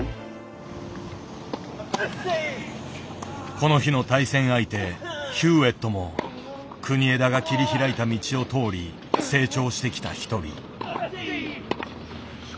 この日の対戦相手ヒューウェットも国枝が切り開いた道を通り成長してきた一人。